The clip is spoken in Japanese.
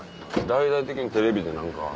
大々的にテレビで何か。